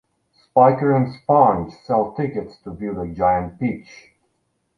Spiker and Sponge sell tickets to view the giant peach.